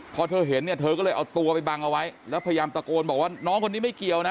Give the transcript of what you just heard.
พอเธอเห็นเนี่ยเธอก็เลยเอาตัวไปบังเอาไว้แล้วพยายามตะโกนบอกว่าน้องคนนี้ไม่เกี่ยวนะ